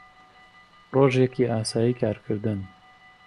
ڕۆژێکی ئاسایی کارکردن